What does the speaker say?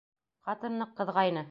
-Ҡатын ныҡ ҡыҙғайны.